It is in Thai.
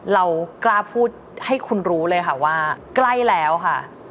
เรากล้าพูดให้คุณรู้เลยค่ะว่าใกล้แล้วค่ะ